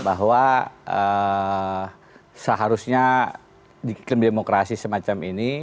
bahwa seharusnya di krim demokrasi semacam ini